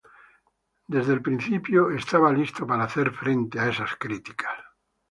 Él desde el principio estaba listo para hacer frente a esas críticas"".